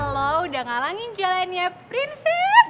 lo udah ngalangin jalan ya prinses